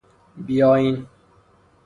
بی آئین